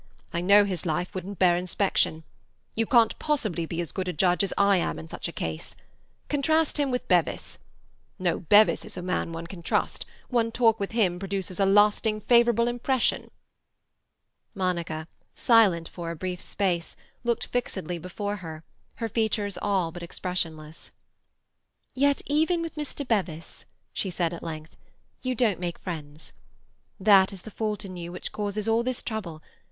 I know his life wouldn't bear inspection. You can't possibly be as good a judge as I am in such a case. Contrast him with Bevis. No, Bevis is a man one can trust; one talk with him produces a lasting favourable impression." Monica, silent for a brief space, looked fixedly before her, her features all but expressionless. "Yet even with Mr. Bevis," she said at length, "you don't make friends. That is the fault in you which causes all this trouble.